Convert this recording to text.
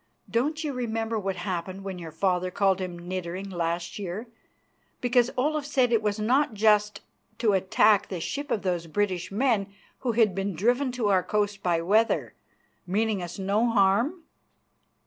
Don't you remember what happened when your father called him 'niddering' last year because Olaf said it was not just to attack the ship of those British men who had been driven to our coast by weather, meaning us no harm?"